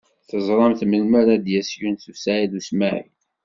Teẓramt melmi ara d-yas Yunes u Saɛid u Smaɛil?